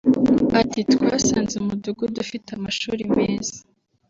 Ati “Twasanze umudugudu ufite amashuri meza